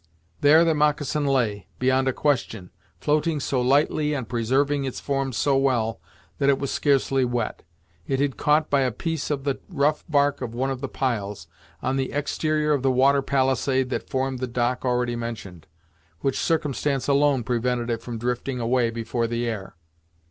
There the moccasin lay, beyond a question, floating so lightly, and preserving its form so well, that it was scarcely wet. It had caught by a piece of the rough bark of one of the piles, on the exterior of the water palisade that formed the dock already mentioned, which circumstance alone prevented it from drifting away before the air.